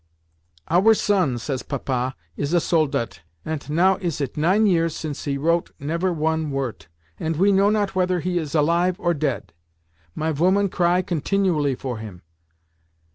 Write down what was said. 'Our son,' says Papa, 'is a Soldat, ant now is it nine years since he wrote never one wort, and we know not whether he is alive or dead. My voman cry continually for him.